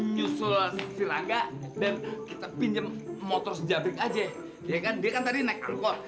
nyusul si rangga dan kita pinjem motor sejabrik aja ya kan dia kan tadi naik angkor